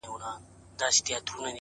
هڅاند انسان انتظار نه خوښوي.!